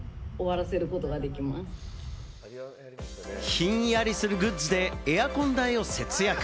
ひんやりするグッズでエアコン代を節約。